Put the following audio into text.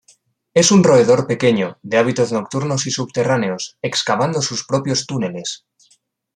Es un roedor pequeño, de hábitos nocturnos y subterráneos, excavando sus propios túneles.